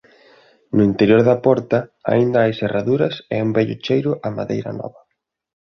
No interior da porta aínda hai serraduras e un vello cheiro a madeira nova.